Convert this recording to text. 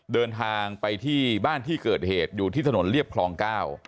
เดินทางไปที่บ้านที่เกิดเหตุอยู่ที่ถนนเรียบคลองเก้า